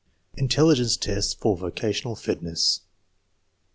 Intelligence tests for vocational fitness.